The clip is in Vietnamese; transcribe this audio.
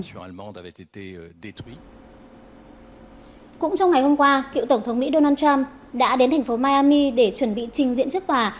cũng trong ngày hôm qua cựu tổng thống mỹ donald trump đã đến thành phố miami để chuẩn bị trình diễn trước tòa